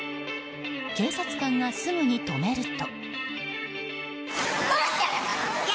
警察官がすぐに止めると。